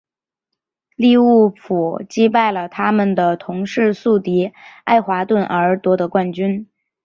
利物浦击败了他们的同市宿敌爱华顿而夺得冠军。